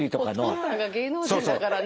お父さんが芸能人だからね。